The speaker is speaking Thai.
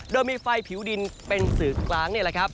โดยมีไฟผิวดินเป็นสื่อกลางนี่แหละครับ